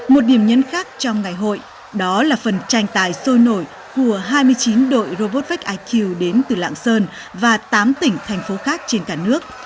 một điểm nhấn khác trong ngày hội đó là phần tranh tài sôi nổi của hai mươi chín đội robotvec iq đến từ lạng sơn và tám tỉnh thành phố khác trên cả nước